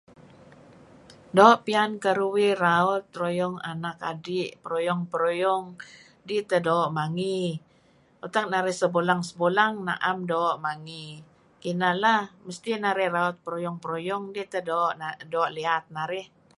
Doo' piyan keruwih raut ruyung anak adi' peruyung-peruyung dih teh doo' mangi. Tak narih sebleng-sebuleng naem doo' mangi. Kineh lah. Mesti narih raut peruyung-peruyung kidih teh doo' liat narih.